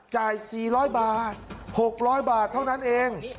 จ่าย๔๐๐บาท๖๐๐บาทเท่านั้นเอง